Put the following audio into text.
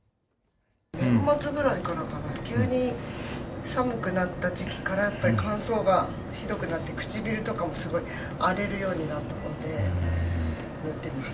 年末ぐらいからかな、急に寒くなった時期から、やっぱり感想がひどくなって、唇とかもすごい荒れるようになったので塗ってます。